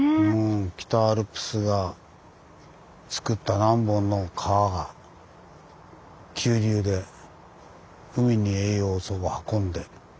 北アルプスがつくった何本の川が急流で海に栄養を運んで。